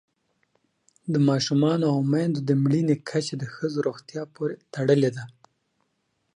د ماشومانو او میندو د مړینې کچه د ښځو روغتیا پورې تړلې ده.